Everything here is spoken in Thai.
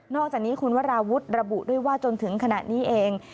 อกจากนี้คุณวราวุฒิระบุด้วยว่าจนถึงขณะนี้เอง